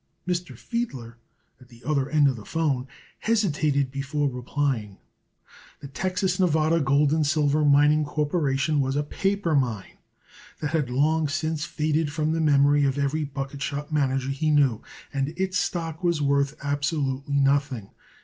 Mr. Fiedler, at the other end of the 'phone, hesitated before replying. The Texas Nevada Gold and Silver Mining Corporation was a paper mine that had long since faded from the memory of every bucketshop manager he knew, and its stock was worth absolutely nothing.